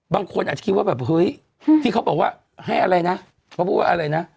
บางคนอาจคิดว่าแบบเฮ้ยที่เขาบอกว่าให้อะไรนะ